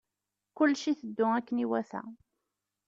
Kullec iteddu akken iwata.